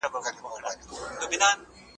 ولي بې مانا ژوند کول تر ټولو لوی رواني خپګان دی؟